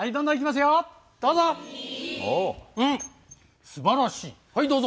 うんすばらしい。